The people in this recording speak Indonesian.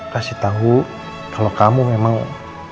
kasih tahu kalau kamu memang